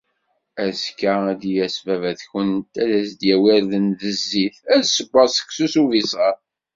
Azekka ad d-yas baba-tkent ad d-yawi irden d zzit, ad sewweɣ seksu s ubisar.